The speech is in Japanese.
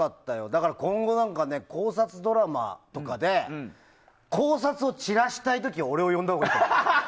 だから今後、考察ドラマとかで考察を散らしたい時俺を呼んだほうがいいと思う。